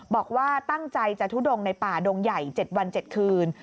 บอกว่าตั้งใจจะทุดงในป่าดงใหญ่๗วัน๗คืน